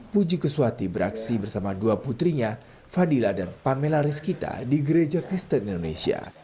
puji kuswati beraksi bersama dua putrinya fadila dan pamela rizkita di gereja kristen indonesia